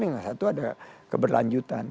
yang satu ada keberlanjutan